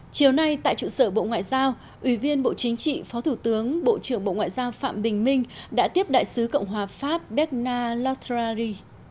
chiều nay tại trụ sở bộ ngoại giao ủy viên bộ chính trị phó thủ tướng bộ trưởng bộ ngoại giao phạm bình minh đã tiếp đại sứ cộng hòa pháp berna latrari